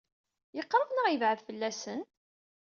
Yeqṛeb neɣ yebɛed fell-asen?